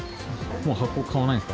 もう箱買わないんですか？